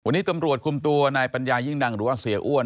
วันนี้ตำรวจคุมตัวนายปัญญายิ่งดังหรือว่าเสียอ้วน